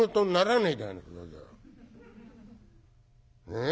ねえ？